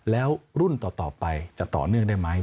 แล้วรุ่นต่อไปจะต่อเนื่องได้ไหม